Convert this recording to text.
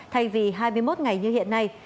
thay vì hai mươi một ngày như hiện nay